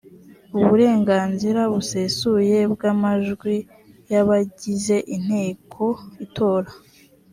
uburenganzira busesuye bw’amajwi y’abayigize inteko itora